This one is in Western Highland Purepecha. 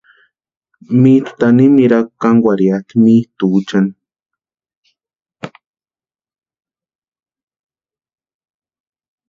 Mitʼu tanimirhakwa kankwarhiatʼi mitʼuchani.